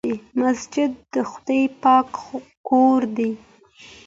مسجد د خدای پاک کور دی.